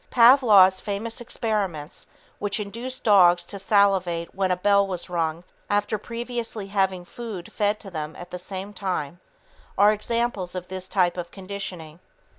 Pavlov's famous experiments which induced dogs to salivate when a bell was rung after previously having had food fed to them at the same time are examples of this type of conditioning.